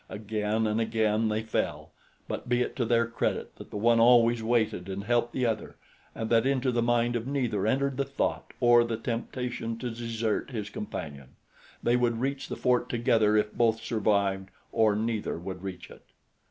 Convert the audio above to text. Again and again they fell; but be it to their credit that the one always waited and helped the other and that into the mind of neither entered the thought or the temptation to desert his companion they would reach the fort together if both survived, or neither would reach it.